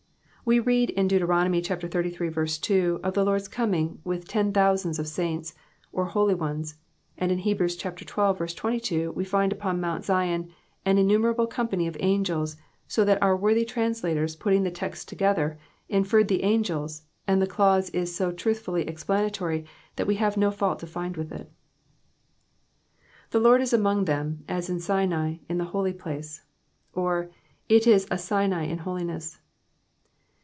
We read in Deuteronomy xxxiii. 2, of the Lord's coming with ten thousands of saints," or holy ones, and in Heb. xii. 22, we find upon mount Zion an innumerable company of angels," so that our worthy translators putting the texts together, infeired the angels, and the clause is so truthfully explanatory, that we have no fault to find with it. '"'•The Lord is among them, as in Sinai, in tJie holy phre,^' or, it is a Sinai in holiness."